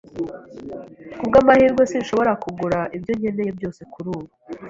Kubwamahirwe, sinshobora kugura ibyo nkeneye byose kurubu.